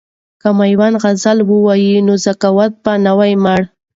که میندې غزل ووايي نو ذوق به نه وي مړ.